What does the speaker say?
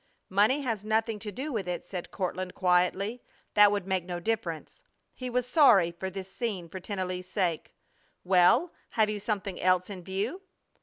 "Money has nothing to do with it," said Courtland, quietly. "That would make no difference." He was sorry for this scene for Tennelly's sake. "Well, have you something else in view?"